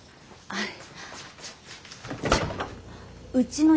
はい。